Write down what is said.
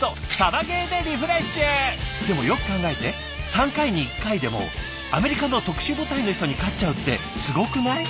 ３回に１回でもアメリカの特殊部隊の人に勝っちゃうってすごくない？